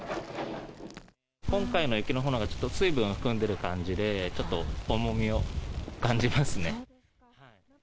今回の雪のほうが、ちょっと水分含んでる感じで、ちょっと重みを感じますね。